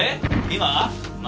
今？